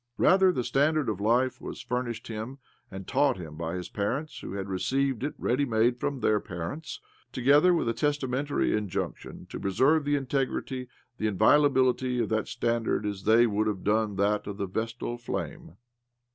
Rather, the standard of life was furnished him and taug'ht him by parents who had received it ready made from' their parents, together with a testamentary injunc tion to preserve the integrity, the inviola bility of that standard as they would have done that of the Vestal flame.